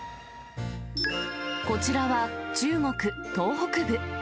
こちらは中国東北部。